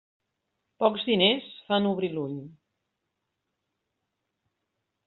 Pocs diners fan obrir l'ull.